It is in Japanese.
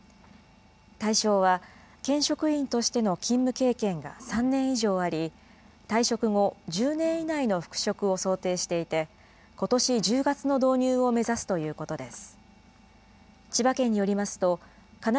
対象は、県職員としての勤務経験が３年以上あり、退職後１０年以内の復職を想定していて、ことし１０月の導入を目指すということです。